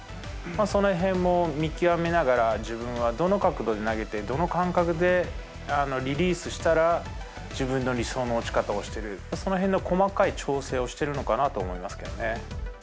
そのへんも見極めながら、自分はどの角度で投げて、どのかんかくでリリースしたら、自分の理想の落ち方をしてる、そのへんの細かい調整をしてるのかなと思いますけどね。